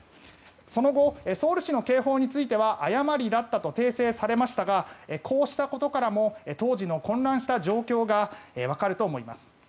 その後、ソウル市の警報については誤りだったと訂正されましたがこうしたことからも当時の混乱した状況がわかると思います。